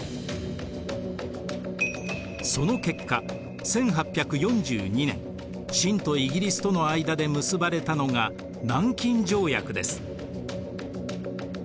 その結果１８４２年清とイギリスとの間で結ばれたのが南京条約です。